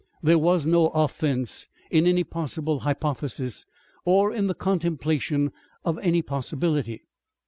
There was no offence in any possible hypothesis or in the contemplation of any possibility.